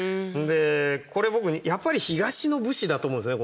これ僕やっぱり東の武士だと思うんですよね